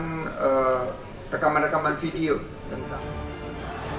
kita juga dapat rekaman rekaman video tentang itu